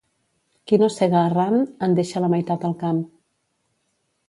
Qui no sega arran en deixa la meitat al camp.